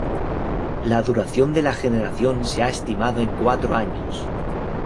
La duración de la generación se ha estimado en cuatro años.